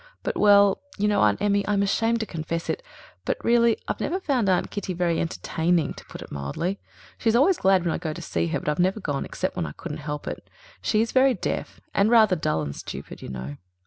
But, well, you know, Aunt Emmy, I'm ashamed to confess it, but really I've never found Aunt Kitty very entertaining, to put it mildly. She is always glad when I go to see her, but I've never gone except when I couldn't help it. She is very deaf, and rather dull and stupid, you know.